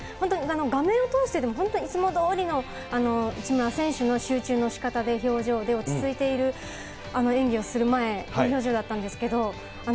画面を通してでも、いつもどおりの内村選手の集中のしかたで表情で、落ち着いている演技をする前、いい表情だったんですけれども。